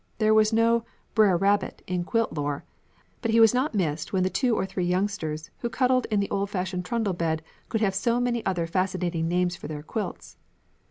There was no "B'rer Rabbit" in quilt lore, but he was not missed when the two or three youngsters who cuddled in the old fashioned trundle bed could have so many other fascinating names for their quilts.